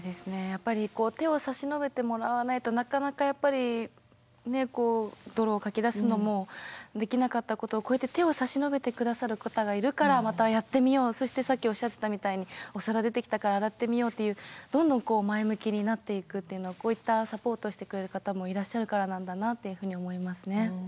やっぱり手を差し伸べてもらわないとなかなかやっぱりね泥をかき出すのもできなかったことをこうやってそしてさっきおっしゃってたみたいにお皿出てきたから洗ってみようっていうどんどん前向きになっていくというのはこういったサポートをしてくれる方もいらっしゃるからなんだなっていうふうに思いますね。